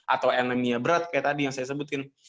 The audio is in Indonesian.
atau enemia berat kayak tadi yang saya sebutin